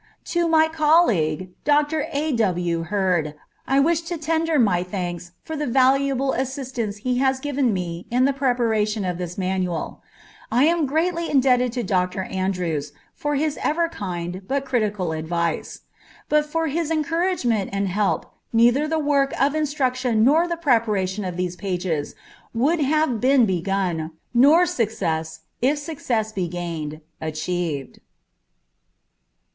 To my colleague, Dr. A. W. Hurd, I wish to tender my thanks for the valuable assistance he has given me in the preparation of this manual. I am greatly indebted to Dr. Andrews for his ever kind but critical advice. But for his encouragement and help neither the work of instruction nor the preparation of these pages would have been begun, nor success, if success be gained, achieved.